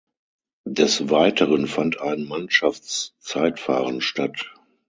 Des Weiteren fand ein Mannschaftszeitfahren statt.